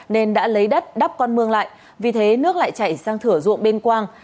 nên đã lấy đất đắp con mương lại vì thế nước lại chảy sang thửa ruộng bên quang